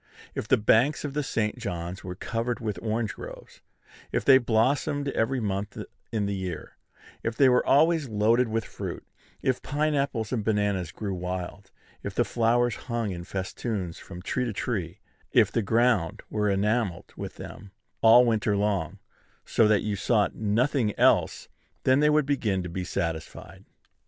If the banks of the St. John's were covered with orange groves, if they blossomed every month in the year, if they were always loaded with fruit, if pine apples and bananas grew wild, if the flowers hung in festoons from tree to tree, if the ground were enamelled with them all winter long, so that you saw nothing else, then they would begin to be satisfied.